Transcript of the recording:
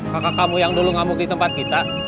kakak kamu yang dulu ngamuk di tempat kita